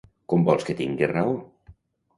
Com vols que tingui raó?